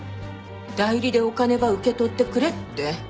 代理でお金ば受け取ってくれって。